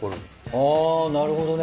あなるほどね。